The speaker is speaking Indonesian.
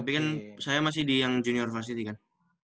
tapi kan saya masih di yang junior fasity kan